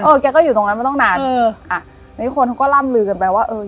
แกก็อยู่ตรงนั้นมาตั้งนานเอออ่ะนี่คนเขาก็ล่ำลือกันไปว่าเออ